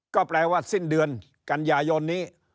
ก็แปลว่าสิ้นเดือนกันยายนนี้